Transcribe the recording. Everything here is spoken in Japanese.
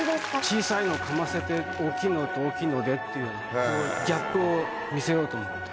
小さいのかませて大きいのと大きいのでっていうギャップを見せようと思って。